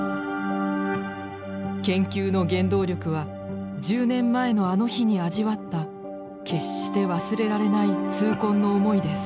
研究の原動力は１０年前のあの日に味わった決して忘れられない痛恨の思いです。